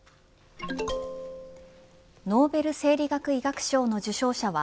ノーベル生理学・医学賞の受賞者は